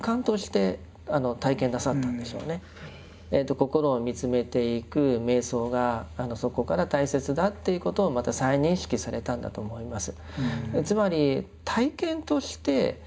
心を見つめていく瞑想がそこから大切だっていうことをまた再認識されたんだと思います。